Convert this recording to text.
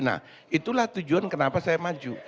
nah itulah tujuan kenapa saya maju